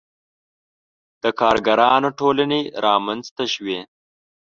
• د کارګرانو ټولنې رامنځته شوې.